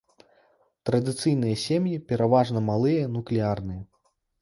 Традыцыйныя сем'і пераважна малыя нуклеарныя.